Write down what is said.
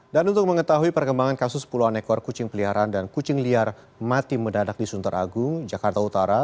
dan untuk mengetahui perkembangan kasus pulauan ekor kucing peliharaan dan kucing liar mati mendadak di suntar agung jakarta utara